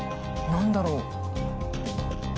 何だろう？